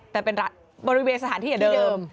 แต่เป็นบริเวณสถานที่เดิม